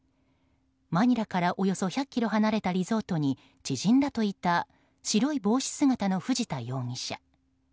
マニラからおよそ１００ｋｍ離れたリゾートに知人らといた白い帽子姿の藤田容疑者。